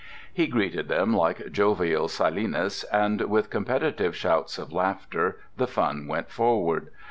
He greeted them like jovial Silenus, and with competitive shouts of laughter the fun went forward.